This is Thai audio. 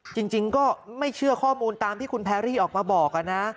จริงก็ไม่เชื่อข้อมูลตามที่คุณแพรรี่ออกมาบอกนะ